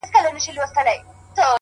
ستا دپښو سپين پايزيبونه زما بدن خوري.